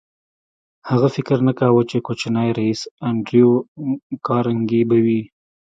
هغه فکر نه کاوه چې کوچنی ريیس انډریو کارنګي به وي